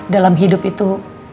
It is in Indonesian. dalam hidup itu